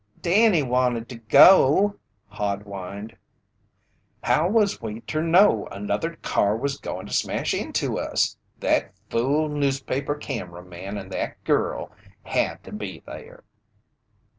"Danny wanted to go," Hod whined. "How was we ter know another car was goin' to smash into us? Thet fool newspaper camera man an' the girl had to be there!"